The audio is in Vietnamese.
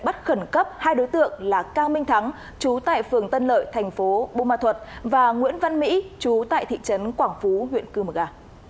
bắt khẩn cấp hai đối tượng là cang minh thắng trú tại phường tân lợi thành phố bô ma thuật và nguyễn văn mỹ trú tại thị trấn quảng phú huyện cư mực a